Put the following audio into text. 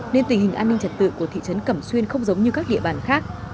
nên tình hình an ninh trật tự của thị trấn cẩm xuyên không giống như các địa bàn khác